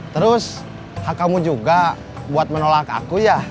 terus hak kamu juga buat menolak aku ya